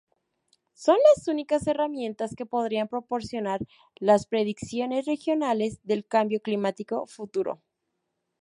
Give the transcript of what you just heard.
Son las únicas herramientas que podrían proporcionar las predicciones regionales del cambio climático futuro.